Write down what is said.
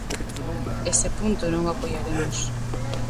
Ese punto non o apoiaremos.